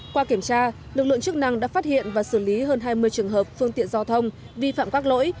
qua kiểm tra lực lượng chức năng đã phát hiện và xử lý hơn hai mươi trường hợp phương tiện giao thông vi phạm các lỗi